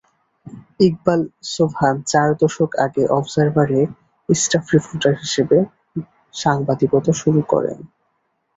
ইকবাল সোবহান চার দশক আগে অবজারভার-এ স্টাফ রিপোর্টার হিসেবে সাংবাদিকতা শুরু করেন।